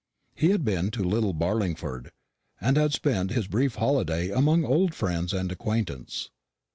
He had been to Little Barlingford, and had spent his brief holiday among old friends and acquaintance.